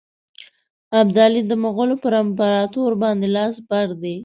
ابدالي د مغولو پر امپراطور باندي لاس بر دی.